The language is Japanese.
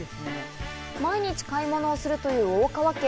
毎日、買い物をするという大川家。